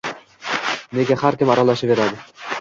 Nega har kim aralashaveradi?